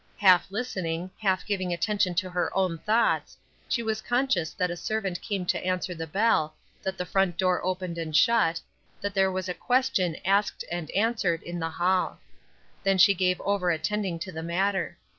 Half listening, half giving attention to her own thoughts, she was conscious that a servant came to answer the bell, that the front door opened and shut, that there was a question asked and answered in the hall. Then she gave over attending to the matter.